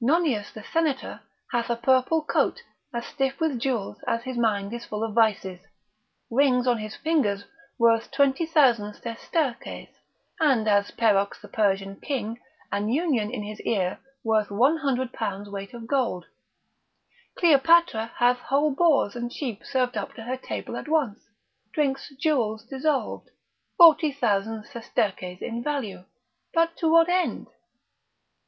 Nonius the senator hath a purple coat as stiff with jewels as his mind is full of vices; rings on his fingers worth 20,000 sesterces, and asPerox the Persian king, an union in his ear worth one hundred pounds weight of gold:Cleopatra hath whole boars and sheep served up to her table at once, drinks jewels dissolved, 40,000 sesterces in value; but to what end?